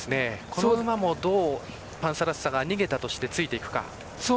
この馬も、どうパンサラッサが逃げたとしてついていくか。